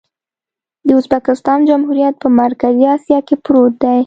د ازبکستان جمهوریت په مرکزي اسیا کې پروت دی.